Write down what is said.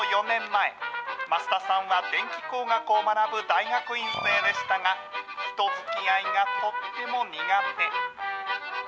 ４年前、枡田さんは電気工学を学ぶ大学院生でしたが、人づきあいがとっても苦手。